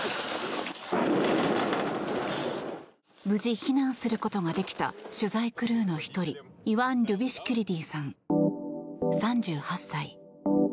無事、避難することができた取材クルーの１人イワン・リュビシュキルデイさん３８歳。